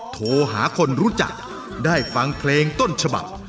โทรหาคนรู้จักได้ฟังเพลงต้นฉบับ